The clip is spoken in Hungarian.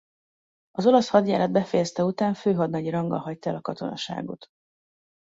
Az olasz hadjárat befejezte után főhadnagyi ranggal hagyta el a katonaságot.